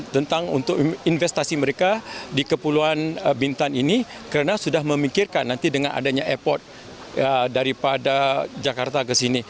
tentang untuk investasi mereka di kepulauan bintan ini karena sudah memikirkan nanti dengan adanya effort daripada jakarta ke sini